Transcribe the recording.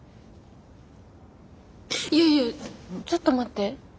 いやいやちょっと待って。